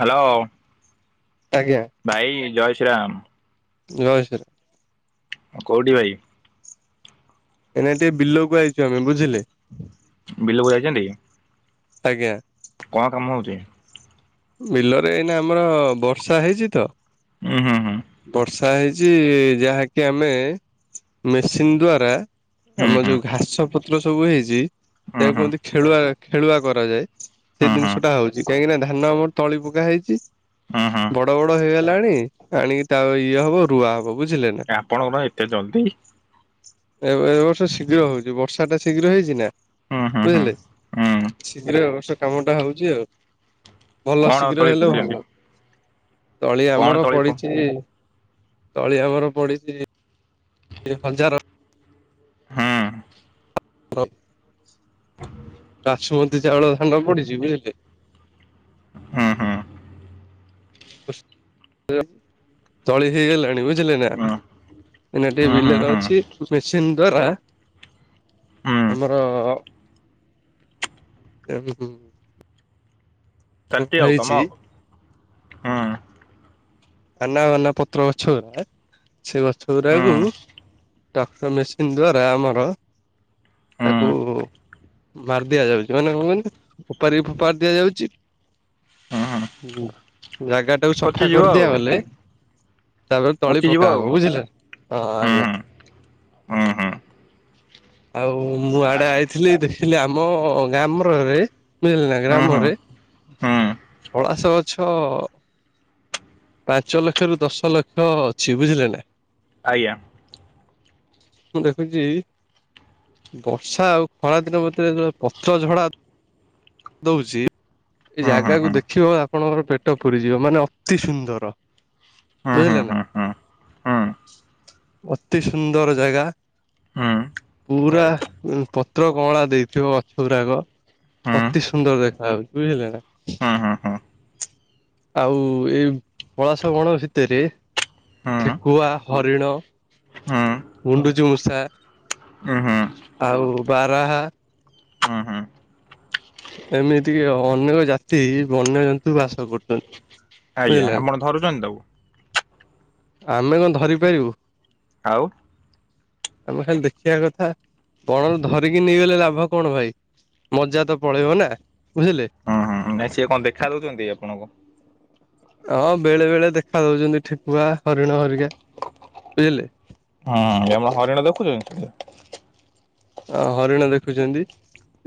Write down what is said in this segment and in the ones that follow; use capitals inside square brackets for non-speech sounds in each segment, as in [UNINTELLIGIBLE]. Hello. ଭାଇ ଜୟ ପ୍ୟାନ୍। ଜୟ ଶ୍ରୀ ଆଉ କୋଉଠି ଭାଇ? ଏଇନା ଟିକେ ବିଲକୁ ଆଇଚୁ ଆମେ। ବୁଝିଲେ? ବିଲକୁୁ ଯାଇଚନ୍ତି? ଆଜ୍ଞା। କଁ କାମ ହଉଚି? ବିଲରେ ଏଇନା ଆମର ବର୍ଷା ହେଇଚି ତ। ହୁଁ ହୁଁ ହୁଁ। ତାହା ହେଇଚି ଯାହାକି ଆମେ ମେସିନ ଦ୍ଵାରା ଆମ ହୁଁ ହୁଁ ଯୋଉ ଘାସ ପ ଚିତ୍ର ସବୁ ହେଇଚି। ହୁଁ ଯାହାକୁ ହୁଁ କୁହନ୍ତି ଖେଳୁଆ ଖେଳୁଆ କରାଯାଏ। ସେ ଜିନିଷ ହୁଁ ହୁଁ ଟା ହଉଚି କାହିଁକି ନା ଢା ହେଲା [UNINTELLIGIBLE] ତଳି ପକା ହେଇଚି। ହୁଁ ହୁଁ ବଡ ବଡ ହେଇଗଲାଣି। ହୁଁ। ଆଣିକି ତା ଇଏ ହବ ରୁଆ ହବ। ବୁଝିଲେ ନା। ଟା ଆପଣଙ୍କ ପାଇଁ ଏତେ ଜଲଦି? ଏ ଏ ବର୍ଷ ଶୀଘ୍ର ହଉଚି ବର୍ଷା ଟା ଶୀଘ୍ର ହେଇଚି ନା? ହୁଁ ହୁଁ ହୁଁ ବୁଝିଲେ? ହୁଁ ଶୀଘ୍ର ଏ ବର୍ଷ। କାମ ଟା ହଉଚି ଆଉ। ଭଲ କଣ ଆଉ ଶୀଘ୍ର ତଳି ହେଲେ ପକେଇଛନ୍ତି? ଭଲ ତଳି କଣ ଆମର ତଳି ପ ହୁଁ ପଡିଚି। ତଳି ଆମର ପଡିଚି। ଳି ହଜାର। ହୁଁ। [UNINTELLIGIBLE] ବାସୁମତୀ ଚାଉଳ ଧାନ ପଡିଚି ବୁଝିଲେ? ହୁଁ ହୁଁ। ତଳି ହେଇଗଲାଣି ବୁଝିଲେ ନା? ହୁଁ ହୁଁ ହୁଁ ଏଟା ଟିକେ ବିଲରେ ଅଛି ମେସିନ ଦ୍ଵାରା ଆମର ଶାଟି ଆଉ ହେଇଛି କାମ ଆଉ ହୁଁ କାନ ବାନା ପତ୍ର ଗଛ ଗୁଡା ସେ ଗଛ ହୁଁ ଗୁଡାକୁ ଟାକ୍ଟର ମେସିନ ଦ୍ଵାରା ଆମର ହୁଁ ତାକୁ ମାରି ଦିଆଯାଉଛି ମାନେ କଣ କଛନ୍ତି ଓପାରି ଫୋପାର ଦିଆଯାଉଛି ହୁଁ ହୁଁ ଜାଗା ତାକୁ ସଫା ପଚିଯିବ କରି ଆଉ ଦିଆଲେ ତାପରେ ତଳି ପଚିଯିବ ପକା ଆଉ ହୁଁ ହବ ବୁଝିଲେ ଆଜ୍ଞା ହୁଁ ହୁଁ ଆଉ ମୁଁ ଆଡେ ଆଇଥିଲି ଦେଖିଲି ଆମ ଗ୍ରାମରେ ମିଳିଲ ନା ହୁଁ ହୁଁ ହୁଁ ଗ୍ରାମରେ ପଳାସ ଗଛ ପାଞ୍ଚ ଲକ୍ଷ ରୁ ଦଶ ଲକ୍ଷ ଅଛି ବୁଝିଲେ ନା ଆଜ୍ଞା ମୁଁ ଦେଖୁଛି ବର୍ଷା ଆଉ ଖରା ଦିନ ମଧ୍ୟରେ ପତ୍ର ଝଡା ଦଉଛି ଏ ହୁଁ ଜାଗାକୁୁ ଆଜ୍ଞା। ଦେଖିବ ଆପଣଙ୍କର ପେଟ ପୁରିଯିବ ମାନେ ଅତି ସୁନ୍ଦର ହୁଁ ହୁଁ ହୁଁ ବୁଝିଲେ ହୁଁ ନା ହୁଁ ହୁଁ ହୁଁ ଅତି ସୁନ୍ଦର ଜାଗା ପୁରା ପତ୍ର କଅଁଳା ଦେଇଥିବ ଗଛ ଗୁରାକ ଅତି ସୁନ୍ଦର ଦେଖା ହାଉଛି ବୁଝିଲେ ନା ଆଉ ଏଇ ପଳାସ ବଣ ଭିତରେ ଠେକୁଆ ହରିଣ ଗୁଣ୍ଡୁଚୁ ମୂଷା ଆଉ ବାରାହା ଏମିତିକ ଅନେକ ଜାତି ବନ୍ୟଜନ୍ତୁ ବାସ କରୁଛନ୍ତି ଆଜ୍ଞା ବୁଝିଲେ ନା। ଆପଣ ଧରୁଛନ୍ତି ତାବ ଆମେ କଣ ଧରିପାରିବୁ ଆଉ ଆମେ ଖାଲି ଦେଖିବା କଥା ବଣରେ ଧରିକି ନେଇଗଲେ ଲାଭ କଣ ଭାଇ ମଜା ତ ପଳେଇବ ନା ବୁଝିଲେ ହୁଁାଇଁ ସିଏ କଣ ଦେଖା ଦଉଛନ୍ତି ଆପଣଙ୍କୁ ହଁ ବେଳେ ବେଳେ ଦେଖା ଦଉଛନ୍ତି ଠେକୁଆ ହରିଣ ହରିିକା ବୁଝିଲେ ହୁଁମ ହରିଣ ଦେଖୁଛ ଅ ହରିଣ ଦେଖୁଛନ୍ତି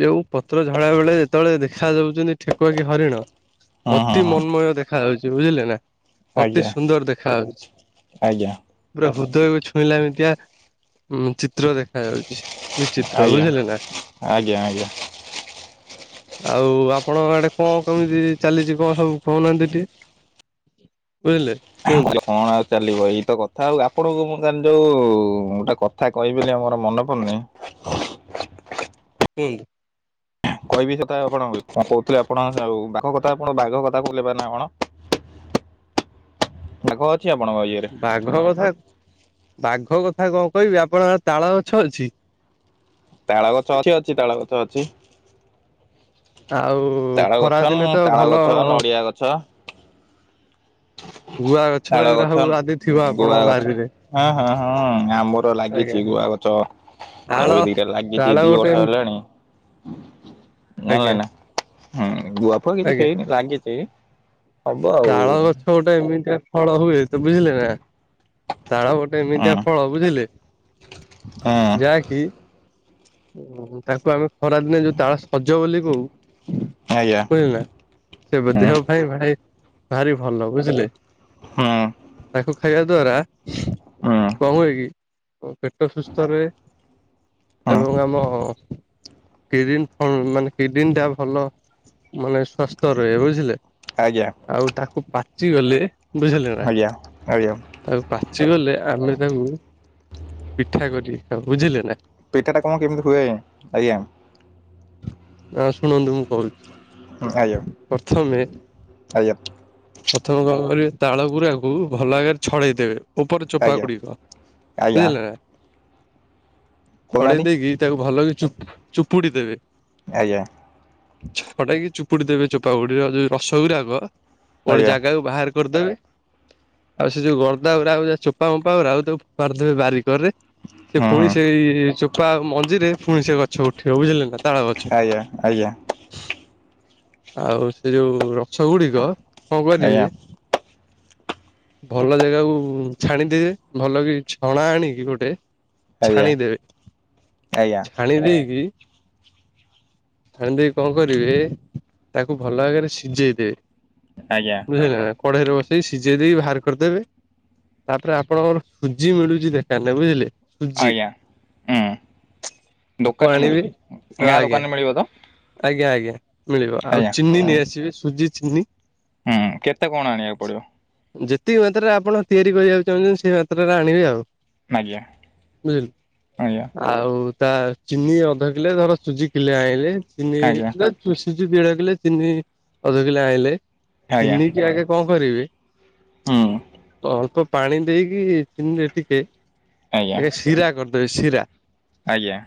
ଯୋଉ ପତ୍ର ଝାଡା ବେଳେ ଯେତେବେଳେ ଦେଖା ଯାଉଛନ୍ତି ଠେକୁଆ କି ହରିଣ ହୁଁ ଅତି ହୁଁ ମନମୟ ଦେଖ ଖାଉଛି ବୁଝିଲେ ନା ଅତି ଆଜ୍ଞା ସୁନ୍ଦର ଦେଖାାଯାଉଛି ଆଜ୍ଞା ପୁରା ହୃଦୟକୁ ଛୁଇଁଲାମିତିଆ ଉ ଚିତ୍ର ଦେଖା ଯାଉଛି ବିଚିତ୍ର ଆଜ୍ଞା ବୁଝିଲେ ନା। ଆଜ୍ଞା ଆଜ୍ଞା ଆଉ ଆପଣଙ୍କ ଆଡେ କଣ କେମିତି ଚାଲିଛି କଣ ସବୁ କହୁନାହାନ୍ତି ଟିକେ ବୁଝିଲେ କୁହନ୍ତୁ କଣ ଆଉ ଚାଲିବ ଏଇ ତ କଥା ତାଉ ଆପଣଙ୍କୁ ମୁଁ କା ଯୋଉ ଗୋଟେ କଥା କହିବିନି ଆମର ମନେ ପଡନି ହୁନ୍ତୁ କହିବି ସେଟ କଣ କହୁ ଆପଣ ଆଉ ଆପଣ ବାଘ କଥା କହୁହେବ ନା କଣ ଆଗତ ବାଘ ବଥା। ବାଘ କଥା କଣ କହିବି ଆପଣଙ୍କ ଆଡେ ତାଳ ଗଛ ଅଛି? ତାଳ ଗଛ ଅଛି ଅଛି ତାଳ ଗଛ ଅଛି। ଆଉ ତାଳ ଖରା ଗଛ ଦିନେ ତ ତାଳ ଭଲ। ଗଛ ନଡ଼ିଆ ଗଛ ଗୁଆ ଗଛ ତାଳ ଏଗୁରା ସବୁ ଗଛ, ଆଦି ଥିବ ଆପଣଙ୍କ ଗୁଆ ଗଛ ବାରିରେ ହଁ ହଁ ହଁ ଆମର ଆଜ୍ଞା ଲାଗିଛି ଗୁଆ ଗଛ ତାଳ ଏବେ ଦିଟା ତାଳ ଲାଗିଛି ଦି ଗୋଟେ ବର୍ଷ ହେଲାଣି। ନା ନା ଆଜ୍ଞା ନା ହଁ ଗୁଆ ଫୁଆ କିଛି ଆଜ୍ଞା ହେଇନି ଲାଗିଛି। ହବ ତାଳ ଆଉ। ଗଛ ଗୋଟେ ଏମିତିଆ ଫଳ ହୁଏ ତ ବୁଝିଲେ ନା। ତାଳ ଗୋଟେ ଏମିତିଆ ଫଳ ବୁଝିଲେ। ହୁଁ ଯାହା କିି ଓ ତାକୁ ଆମେ ଖରାଦିନେ ଯୋଉ ତାଳ ସଜ ବୋଲି କହୁ। ଆଜ୍ଞା ବୁଝିଲେ ନା ସେ ହୁଁ ଦେହ ପାଇଁ ଭାରି ଭାରି ଭଲ ବୁଝିଲେ। ହୁଁ ତାକୁ ଖାଇବା ଦ୍ଵାରା ହୁଁ କଣ ହୁଏ କି ପେଟ ସୁସ୍ଥ ରୁହେ। ହୁଁ ଏବଂ ଆମ କିଡିନ୍ କଣ ମାନେ କିଡନୀ ଟା ଭଲ ମାନେ ସ୍ଵାସ୍ଥ୍ୟ ରୁହେ ବୁଝିଲେ। ଆଜ୍ଞା। ଆଉ ତାକୁ ପାଚିଗଲେ ବୁଝିଲେ ନା ଆଜ୍ଞା ଆଜ୍ଞା ତାକୁ ପାଚି ଗଲେ ଆମେ ତାକୁ ପିଠା କରିକି ଖାଉ ବୁଝିଲେ ନା। ପିଠା ଟା କଣ କେମିତି ହୁଏ ଆଜ୍ଞା ଆଜ୍ଞା। ନା ଶୁଣନ୍ତୁ ମୁଁ କହୁଛି। ହଁ ପ୍ରଥମେ [UNINTELLIGIBLE] ଆଜ୍ଞା। ପ୍ରଥମେ କଣ କରିବେ ତାଳ ଗୁୁରାକୁ ଭଲ ଭାବରେ ଛଡେଇ ଦେବେ। ଉପର ଚୋପା ଆଜ୍ଞା ଗୁଡିକ ଆଜ୍ଞା ବୁଝିଲେ ନା। ଛଡେଇ କହୁନାହାନ୍ତି ଦେଇକି ତାକୁ ଭଲକି ଚୁପ୍। ଚୁପୁଡ଼ି ଦେବେ। ଆଜ୍ଞା। ଛପଟାକି ଚୁପୁଡି ଦେବେ ଚୋପାଗୁଡିର ଯୋଉ ରସ ଗୁରାକ। ଗୋଟେ ଆଜ୍ଞା ଜାଗାକୁ ବାହାର। କରିଦେବେ ଆଉ ସେ ଯୋଉ [UNINTELLIGIBLE] ଯ ଚୋପା ଫୋପା ଗୁରା ଫୋପାଡି ଦେବେ ବାରି କରରେ। ସେ ହୁଁ ପୁଣି ହୁଁ ସେଇ ଯୋ ବା ମଞ୍ଜିରେ ଫୁଣି ସେ ଗଛ ଉଠିବ ବୁଝିଲେ ନା। ତାଳ ଗଛ। ଆଜ୍ଞା ଆଜ୍ଞା। ଆଉ ସେ ଯୋଉ ରସ ଗୁଡି କ କଣ କରିବେ? ଆଜ୍ଞା ଭଲ ଜାଗାକୁ ଛାଣିଦିବେ ଭଲ କି ଛଣା ଆଣିକି ଗୋଟେ। ଆଜ୍ଞା ଛାଣିଦେବେ ଆଜ୍ଞା ଛାଣି ଦେଇକି। ଛାଣିଦେଇ କି କଣ କରିବେ ତାକୁ ଭଲ ଭାବରେ ସିଝେଇ ଦେବେ। ଆଜ୍ଞା ବୁଝିଲେ ନା କଢ଼େଇରେ ବସ୍ ସେଇ ସିଝେଇ ଦେଇକି ବାହାର କରିଦେବେ ତାପରେ ଆପଣଙ୍କର ସୁଜି ମିଳୁଛି ଦେକାରାନ ରେ ବୁଝିଲେ। ସୁଜି ଆଜ୍ଞା ହଁ ତାକୁ ଦୋକାନରେ ଆଣିବେ ମିଳୁଛି ହଁ ଗାଁ ଆଜ୍ଞା ଦୋକାନରେ ମିଳିବ ତ? ଆଜ୍ଞା ଆଜ୍ଞା। ମିଳିବ ଆଉ ଆଜ୍ଞା ଚିନି ନେଇ ଆଜ୍ଞା। ଆସିବେ ସୁଜି ଚିନି। ହୁଁ କେତେ କଣ ଆଣିବାକୁ ଯେ ପଡ଼ିବ ଯେତିକ ମାତ୍ରାରେ ଆପଣ ତିଆରି କରିବାକୁ ଚାହୁଁଛନ୍ତି ସେଇ ମାତ୍ରାରେ ଆଣିବେ ଆଉ। ଆଜ୍ଞା ବୁଝିଲୁ ଆଜ୍ଞା ଆଉ ତା ଚିନି ଅଧା କିଲେ ଧର ସୁଜି କିଲେ ଆଣିଲେ। ଚିନି। ଆଜ୍ଞା [UNINTELLIGIBLE] ଦେଢ କିଲେ ଚିନି ଅଧ କିଲେ ଆଣିଲେ। ଆଜ୍ଞା ଚନି କି ଆଗେ କଣ କରିବେ ହୁଁ ହଉ ତ ପାଣି ଦେଇକି ଚିନିରେ ଟିକେ ଆଜ୍ଞା ଆଗେ ଶିରା କରି ସିରା। ଆଜ୍ଞା।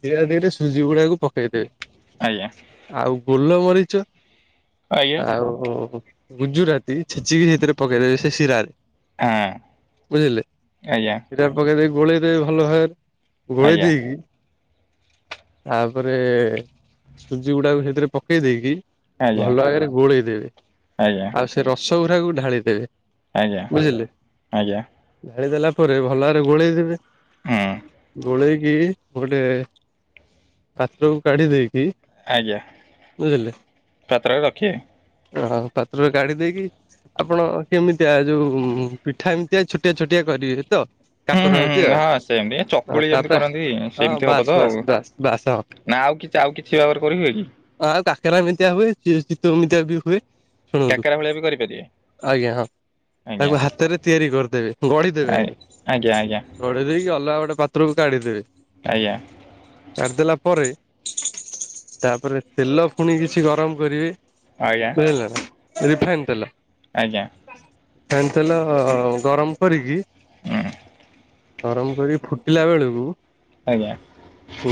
ସୀରା ଦେଇ ଟିକେ ସୁଜି ଗୁଡାକକୁ ପକେଇଦେବେ। ଆଜ୍ଞା। ଗୋଲ ମରିଚ ଆଜ୍ଞା ହଁ ଆଉ ଗୁଜୁରାତି ଛେଚିକି ସେଇଥିରେ ପକେଇଦବେ ସେ ଶିରାରେ। ବୁଝିଲେ ଆଜ୍ଞା ସେଟା ପକେଇ ଦେଇ ଗୋଳେଇ ଦେବେ ଭଲ ଭାବେ। ଗୋଳେଇ ଆଜ୍ଞା ଆଜ୍ଞା ଦେଇକି ତାପରେ ସୁଜି ଗୁଡାକୁ ସେଥିରେ ପକେଇ ଦେଇକି ଆଜ୍ଞା ଆଜ୍ଞା ଭଲ ଆଗରେ ଗୋଳେଇଦବେ ଆଉ ସେ ରସ ସେ ଗୁରାକୁ ଢାଳି ଦେବେ। ବୁଝିଲେ ଆଜ୍ଞା ଢାଳିଦେଲା ପରେ ଭଲାରେ ଗୋଳେଇ ଦେବେ। ହୁଁ ଗୋଳେଇ ଗୋଟେ ପାତ୍ରକୁ କାଢି ଦେଇକି କି? ଆଜ୍ଞା ପାତ୍ରରେ ରଖିବେ। ଆଉ ପାତ୍ରରେ କାଢି ଦେଇକି ଆପଣ କେମିତିଆ ଯୋଉ ପିଠା ଏମିତିଆ ଛୋଟିଆ ଛୋଟିଆ କରିବେ ତ। କାକରା ଏମିତିଆ [UNINTELLIGIBLE] ହଁ ସେମିତି ଚକୁଳି ଯେମିତି ତାପରେ କରନ୍ତି ହଁ ସେମିତି ହବ ବାସ୍ ତ ବାସ୍ ଆଉ ବାସ୍ ବାସ୍ ହଁ ନା ଆଉ କିଛି ଆଉ କିଛି। [INAUDIBLE] କରିବେ କି? କାକରା ଏମିତିଆ ହୁଏ ଚିତଉ ଏମିତିଆ ବି ହୁଏ। ଶୁଣନ୍ତୁ କାକେରା ଭଳିଆ ବି କରିପାରିବେ ଆଜ୍ଞା ହଁ ଆଜ୍ଞା ତାକୁ ହାତରେ ତିଆରି କର। ଦେବେ। ଗଢିଦେବେ ଆଜ୍ଞା ଆଜ୍ଞା ଆଜ୍ଞା ଗଢି ଦେଇକି ଅଲଗା ଗୋଟେ। ପାତ୍ରକୁ କାଢିଦେବେ। ଆଜ୍ଞା। କାଢ଼ି ଦେଲା ପରେ। ତାପରେ। ତେଲ ପୁଣି କିଛି ଗରମ କରିବେ ଆଜ୍ଞା ବୁଝିଲ ନା। ରିଫାଇନ ତେଲ। ଆଜ୍ଞା। ଫାଇନ ତେଲ ଗରମ କରିକି। [UNINTELLIGIBLE] ଗରମ କରି ଫୁଟିଲା ବେଳକୁ। ଆଜ୍ଞା।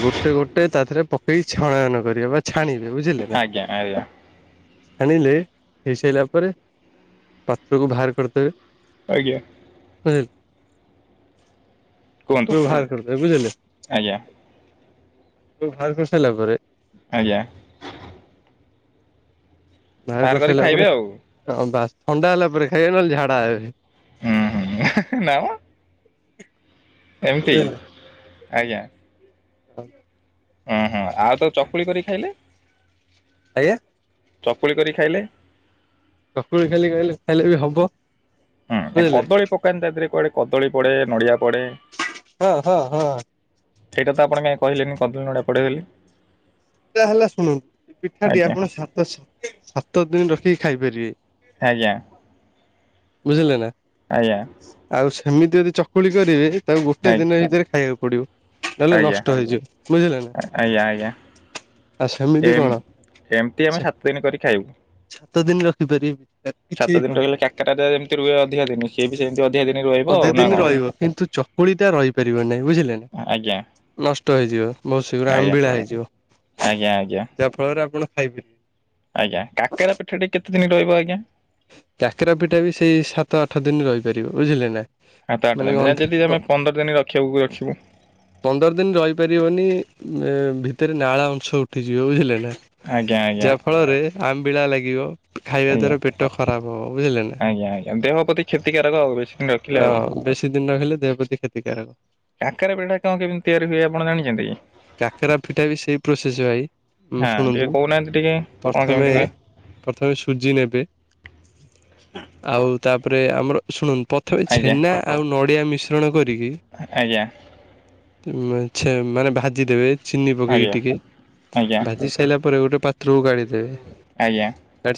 ଗୋଟେ ଗୋଟେ ତା ତିରେ ପ। କେହି ଛଳୟନ କରିବା ବା ଛାଣିବ। ଆଜ୍ଞା ଆଜ୍ଞା। ଛାଣିଲେ ହେଇସାରିଲା ପରେ ପାତ୍ରକୁ ବାହାର କରିଦେବେ। ଆଜ୍ଞା। [UNINTELLIGIBLE] [INAUDIBLE] କୁ କୁହନ୍ତୁ ବାହାର କରିଦେବେ ବୁଝିଲେ। ଆଜ୍ଞା [UNINTELLIGIBLE] ହେଲା ପରେ। ଆଜ୍ଞା। ବାହାର କରିକି କରିସାରିଲା ଖାଇବେ ପରେ ଆଉ ହଁ ବାସ୍। ଥଣ୍ଡା ହେଲା ପରେ ଖାଇବେ ନହେଲେ ଝାଡ଼ା [INAUDIBLE] ହୁଁ ହୁଁ ନା ମ ଏମିତି। ଆଜ୍ଞା ହଁ ଓ ହ ଆଉ ତ ଚକୁଳି କରି ଖାଇଲେ ଆଜ୍ଞା ଚକୁଳି କରି ଖାଇଲେ କକୁଳି ଖାଲି ଖ ଖାଇଲେ ବି ହବ ହୁଁ ବୁଝିଲେ କଦଳୀ ପକେଇନ୍ତି ତାେ ଥିରେ କୁଆଡେ? କଦଳୀ ପଡେ ନଡିଆ ହଁ ହଁ ହଁ। ସେଇଟା ତ ଆପଣ କାହିଁ କହିଲେନି କଦଳୀ ନଡିଆ ପଡେ ବୋଲି। ପିଠା ହେଲା ଶୁଣ ପିଠାଟି ଆଜ୍ଞା ଆପଣ ସାତ ସାତ ଦିନ ରଖି କେ ଖାଇପାରିବେ। ଆଜ୍ଞା ବୁଝିଲେ ନା। ଆଜ୍ଞା ଆଉ ସେମିତି ଯଦି ଚକୁଳି କରିବେ ତାକୁ ଗୋଟେ ଆଜ୍ଞା ଦିନ ଭିତରେ ଖାଇବାକୁ ପଡ଼ିିବ। ତାଲେ ଆଜ୍ଞା ଆଜ୍ଞା ନଷ୍ଟ ହେଇଯିବ ବୁଝିଲ ନା। ଆଉ ଏ ସେମିତି କଣ ଏମିତି ଆମେ ସେ ସାତ ଦିନ କରି ଖାଇବୁ। ସାତ ଦିନ ରଖିପାରିବେ। କିଛି ସାତ ଦିନ ହେଇପାରୁନି ରହିଲେ କାକରା ଟା ଯେମିତି ରୁହେ ଅଧିକ ଦିନ ସିଏ ବି ସେମତି ଅଧେ ଦିନ ରହିବ କିନ୍ତୁ ଚକୁଳି ଟା ରହିପାରିବ ନାହିଁ ବୁଝିଲେ ନା ଆଜ୍ଞା ନଷ୍ଟ ହେଇଯିବ ବହୁତ ଶୀଘ୍ର ଆଜ୍ଞା ଆମ୍ବିଳା ହେଇଯିବ ଆଜ୍ଞା ଆଜ୍ଞା ଯାହା ଫଳରେ ଆପଣ ଖାଇବେ। ଆଜ୍ଞା କାକେରା ପିଠାଟା କେତେ ଦିନ ରହିବ ଆଜ୍ଞା। ଆଜ୍ଞା। କାକେରା ପିଠା ବି ସେଇ ସାତ ଆଠ ଦିନ ରହିପାରିବ ବୁଝିଲେ ନା। ସାତ ଆଠ ମାନେ ଦିନ ନା ଯଦି ଗନ୍ଧେଇବ ଆମେ ପନ୍ଦର ଦିନ ରଖିବାକୁ ରଖିବୁ ପନ୍ଦର ଦିନ ରହିପାରିବନି। ଏ ଭିତରେ ନାଳ ଅଂଶ ଉଠିଯିବ ବୁଝିଲେ ନା ଆଜ୍ଞା ଆଜ୍ଞା ଯାହା ଫଳରେ ଆମେ ଆବିଳା ଲାଗିବ। ଖାଇବା ଆଜ୍ଞା। ଦ୍ଵାରା ପେଟ ଖରାପ ହବ ବୁଝିଲେ ନା। ଆଜ୍ଞା ଆଜ୍ଞା ଦେହ ପ୍ରତି କ୍ଷତିକାରକ ଆଉ ବେଶି ଦିନ ରଖିଲେ ଆଉ। ଅ ବେଶି ଦିନ ନହଲେ ଦେହ ପ୍ରତି ଖତିକାରକ। କାର କାକରା ପିଠା କଣ କେମିତି ତିଆରି ହୁଏ ଆପଣ ଜାଣିଛନ୍ତି କି? କାକେରା ପିଠା ବି ସେଇ ପ୍ରୋସେସ ଭାଇ ଆେ ହଁ ଟିକେ ଶୁଣନ୍ତୁ କହୁନାହାନ୍ତି ଟିକେ କଣ ପ୍ରଥମେ କେମିତି ହୁଏ? ପ୍ରଥମେ ସୁଜି ନେବେ। ଆଉ ତାପରେ ଆମର ଶୁଣନ୍ତୁ। ପ୍ରଥମେ ଆଜ୍ଞା ଛେନା ଆଉ ନ ଆ ମିଶ୍ରଣ କରି ଆଜ୍ଞା ଛା ମାନେ ବା ଯି ଦେବେ ଚିନି ପକେଇକି ଆଜ୍ଞା ଟିକେ ଆଜ୍ଞା ଭାଜି ସାରିଲା ପରେ ଗୋଟେ ପତକୁ ଗାଦେବେ ଆଜ୍ଞା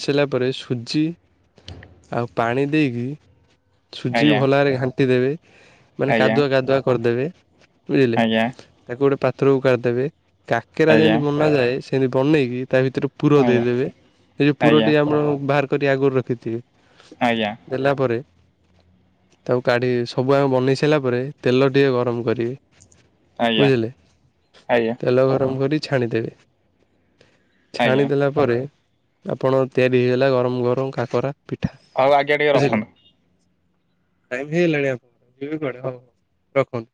ସିଲଲା ପରେ ସୁଜି ଆଉ ପାଣି ଦେଇକି ଆଜ୍ଞା ସୁଜିକୁ ଆଜ୍ଞା ଭଲ ଭରେ ଘାଣ୍ଟି ଦେବେ ମାନେ କାଦୁଆ କାଦୁଆ କରିଦେବେ ବୁଝିଲେ ଆଜ୍ଞା ଆଜ୍ଞା ଆଜ୍ଞା ଆଜ୍ଞା ଆଜ୍ଞା ତାକୁ ଗୋଟେ ଥ୍ରୁ କର ଦେବେ କାକେରା ଆଜ୍ଞା ଯେମିତି ବନାଯାଏ ସେମି ବନେଇ ଗୀତ ତା ଭିତରେ ପୁର ଦେଇଦେବେ ଏଇ ଯଉ ପୁର ଆମର ବା କରି ଆଗରୁ ରଖିଥିବେ ଆଜ୍ଞା ଦେଲା ପରେ ତାକୁ କାଢି ସବୁ ଆମେ ବନେଇ ସାରିଲା ପରେ ତେଲ ଟିକେ ଗରମ କରିବି ଆଜଞା ତେଲ ଘର କରି ଛାଣିଦେବେ ଛାଣିଦେଲା ପରେ ଆପଣ ତିଆରି ହେଇଗଲା ଗରମ ଗରମ କାକରା ପିଠା ହଉ ଆଜ୍ଞା ଟିକେ ରଖନ୍ତୁ ାଇ ହେଇଲାଣି ଆପଣଙ୍କର ଯ କେ ହଉ ହଉ ରଖନ୍ତୁ